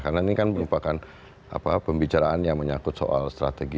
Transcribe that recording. karena ini kan merupakan pembicaraan yang menyangkut soal strategi